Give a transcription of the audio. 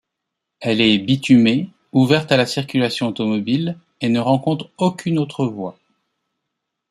Elle est bitumée, ouverte à la circulation automobile, et ne rencontre aucune autre voie.